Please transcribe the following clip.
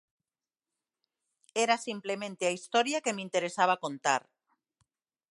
Era simplemente a historia que me interesaba contar.